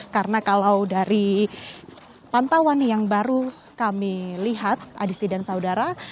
karena kalau dari pantauan yang baru kami lihat adisti dan saudara